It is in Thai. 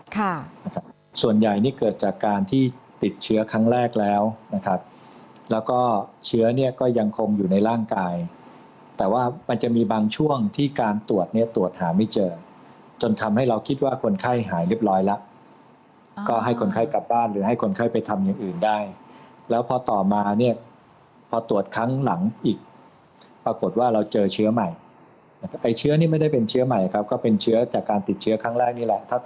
ค่ะส่วนใหญ่นี่เกิดจากการที่ติดเชื้อครั้งแรกแล้วนะครับแล้วก็เชื้อเนี่ยก็ยังคงอยู่ในร่างกายแต่ว่ามันจะมีบางช่วงที่การตรวจเนี่ยตรวจหาไม่เจอจนทำให้เราคิดว่าคนไข้หายเรียบร้อยละก็ให้คนไข้กลับบ้านหรือให้คนไข้ไปทำอย่างอื่นได้แล้วพอต่อมาเนี่ยพอตรวจครั้งหลังอีกปรากฏว่าเราเจอเชื้อใหม